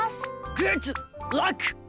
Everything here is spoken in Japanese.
グッドラック！